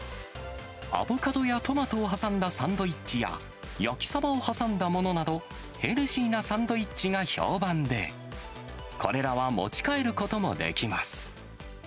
アボカドやトマトを挟んだサンドイッチや、焼きサバを挟んだものなど、ヘルシーなサンドイッチが評判で、これらは持ち帰ることもできます。